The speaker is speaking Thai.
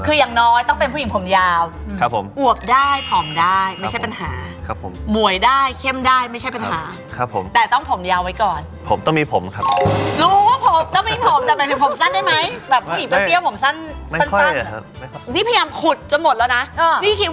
อื่นอีกนักกว่าจะล้วงคำพูดออกมาได้แต่ละคำเนี่ย